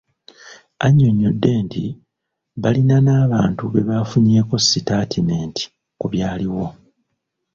Annyonnyodde nti balina n'abantu be bafunyeeko sitatimenti ku byaliwo.